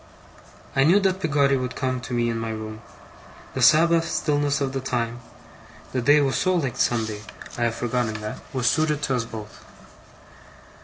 I knew that Peggotty would come to me in my room. The Sabbath stillness of the time (the day was so like Sunday! I have forgotten that) was suited to us both.